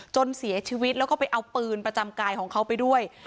จนเสียชีวิตแล้วก็ไปเอาปืนประจำกายของเขาไปด้วย